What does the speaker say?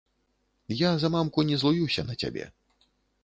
Я за мамку не злуюся на цябе.